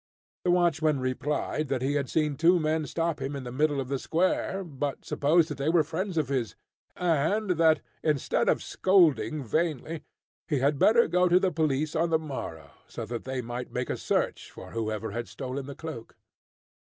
The watchman replied that he had seen two men stop him in the middle of the square, but supposed that they were friends of his, and that, instead of scolding vainly, he had better go to the police on the morrow, so that they might make a search for whoever had stolen the cloak.